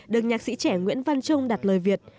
được nhạc sĩ trẻ nguyễn văn trung đặt lời việt